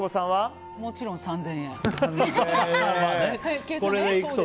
もちろん３０００円。